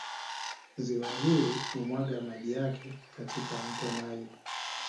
Ziwa hili humwaga maji yake katika Mto Nile